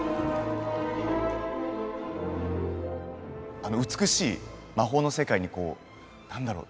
あの美しい魔法の世界にこう何だろう